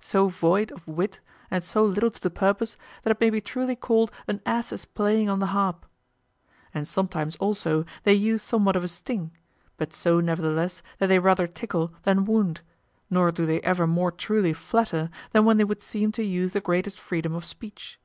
so void of wit and so little to the purpose that it may be truly called an ass's playing on the harp. And sometimes also they use somewhat of a sting, but so nevertheless that they rather tickle than wound; nor do they ever more truly flatter than when they would seem to use the greatest freedom of speech.